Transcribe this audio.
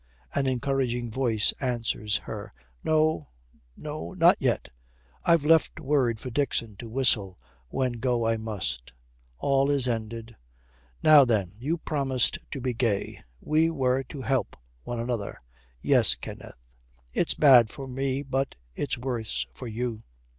An encouraging voice answers her. 'No, no, not yet. I've left word for Dixon to whistle when go I must.' 'All is ended.' 'Now, then, you promised to be gay. We were to help one another.' 'Yes, Kenneth.' 'It's bad for me, but it's worse for you.'